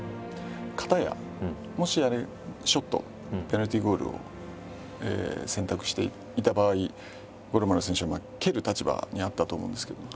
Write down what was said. かたやもしあれショットペナルティーゴールを選択していた場合五郎丸選手は蹴る立場にあったと思うんですけども。